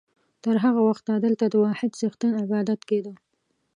تر هغه وخته دلته د واحد څښتن عبادت کېده.